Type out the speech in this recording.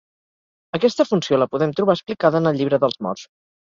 Aquesta funció la podem trobar explicada en el llibre dels morts.